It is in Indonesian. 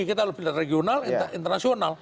kita lebih dari regional internasional